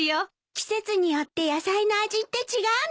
季節によって野菜の味って違うのね。